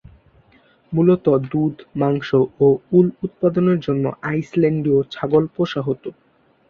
মূলত দুধ, মাংস ও উল উৎপাদনের জন্য আইসল্যান্ডীয় ছাগল পোষা হত।